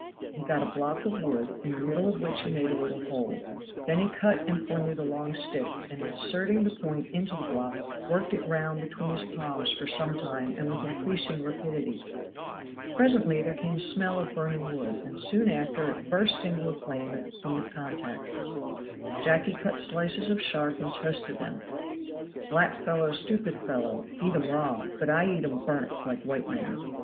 He got a block of wood, in the middle of which he made a little hole; then he cut and pointed a long stick, and inserting the point into the block, worked it round between his palms for some time and with increasing rapidity. Presently there came a smell of burning wood, and soon after it burst into a flame at the point of contact. Jacky cut slices of shark and toasted them. "Black fellow stupid fellow eat 'em raw; but I eat 'em burn't, like white man."